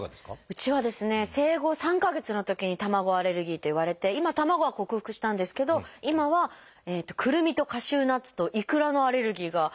うちはですね生後３か月のときに卵アレルギーと言われて今卵は克服したんですけど今はくるみとカシューナッツとイクラのアレルギーがあるんですよね。